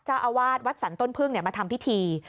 เจ้าอาวาสวัดสรรต้นพึ่งมาทำพิธี